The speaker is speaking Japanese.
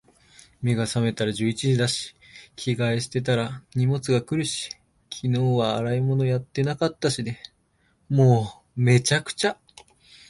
目が覚めたら十一時だし、着替えしてたら荷物が来るし、昨日は洗い物やってなかったしで……もう、滅茶苦茶。